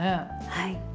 はい。